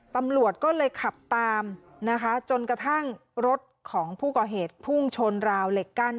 ตำรวจก็เลยขับตามนะคะจนกระทั่งรถของผู้ก่อเหตุพุ่งชนราวเหล็กกั้น